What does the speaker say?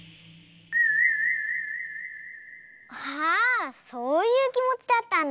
ああそういうきもちだったんだ。